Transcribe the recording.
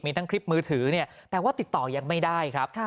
มีทั้งคลิปมือถือเนี่ยแต่ว่าติดต่อยังไม่ได้ครับ